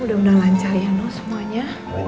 udah udah lancar ya noh semuanya